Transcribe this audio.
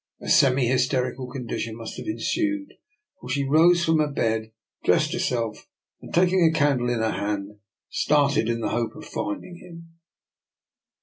A semi hysterical condition must have ensued, for she rose from her bed, dressed herself, and, taking a candle in her hand, started in the hope of finding him.